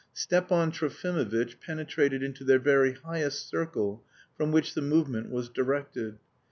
Stepan Trofimovitch penetrated into their very highest circle from which the movement was directed.